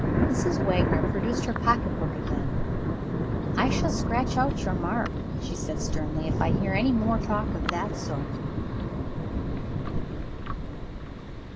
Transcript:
Mrs. Wagner produced her pocket book again. "I shall scratch out your mark," she said sternly, "if I hear any more talk of that sort."